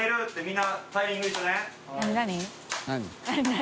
何？